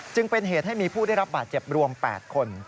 จึงเป็นเหตุให้มีผู้ได้รับบาดเจ็บรวม๘คน